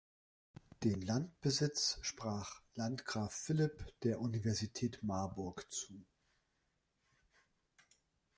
Den Landbesitz sprach Landgraf Philipp der Universität Marburg zu.